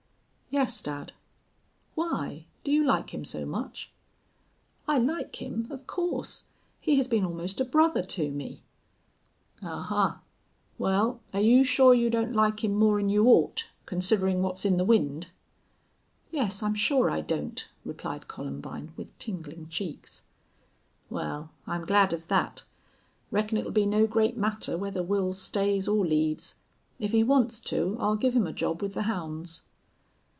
"Yes, dad." "Why? Do you like him so much?" "I like him of course. He has been almost a brother to me." "Ahuh! Wal, are you sure you don't like him more'n you ought considerin' what's in the wind?" "Yes, I'm sure I don't," replied Columbine, with tingling cheeks. "Wal, I'm glad of thet. Reckon it'll be no great matter whether Wils stays or leaves. If he wants to I'll give him a job with the hounds."